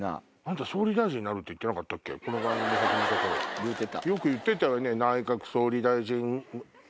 言うてた。